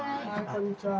こんにちは。